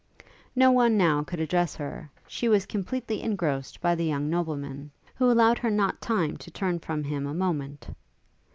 No one now could address her; she was completely engrossed by the young nobleman, who allowed her not time to turn from him a moment.